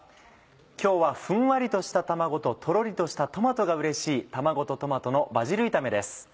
今日はふんわりとした卵ととろりとしたトマトがうれしい「卵とトマトのバジル炒め」です。